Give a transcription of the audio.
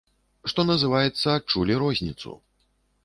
Што называецца, адчулі розніцу.